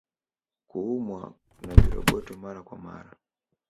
Kuumwa na viroboto Mara kwa mara